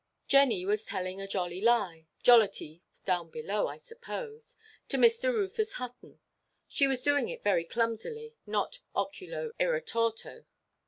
Jenny was telling a "jolly lie"—jollity down below, I suppose—to Mr. Rufus Hutton; she was doing it very clumsily, not "oculo irretorto."